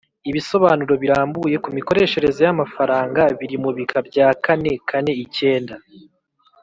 ibisobanuro birambuye ku mikoreshereze y'amafaranga biri mu bika bya kane kane icyenda